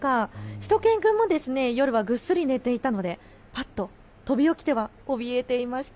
しゅと犬くんも夜はぐっすり寝ていたのでぱっと飛び起きてはおびえていました。